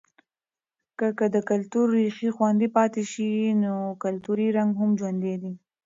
که که د کلتور ریښې خوندي پاتې شي، نو کلتوری رنګ هم ژوندی دی.